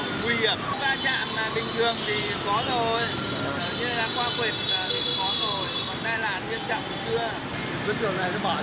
nguy hiểm ba trạm bình thường thì có rồi như là qua quyền thì có rồi còn thay làn thiên trọng thì chưa